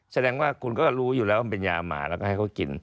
แสดงว่าคุณก็รู้อยู่แล้วมันเป็นยาหมาแล้วก็ให้เขากิน